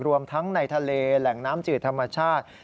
รวมทั้งในทะเลแหล่งน้ำจืดธรรมชาติ